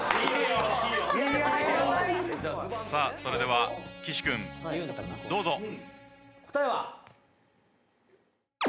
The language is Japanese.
それでは岸君どうぞ。